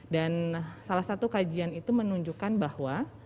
dan salah satu kajian itu menunjukkan bahwa